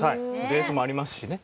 ベースもありますしね。